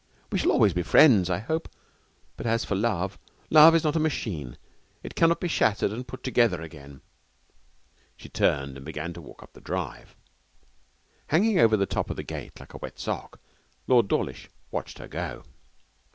We shall always be friends, I hope. But as for love love is not a machine. It cannot be shattered and put together again.' She turned and began to walk up the drive. Hanging over the top of the gate like a wet sock, Lord Dawlish watched her go.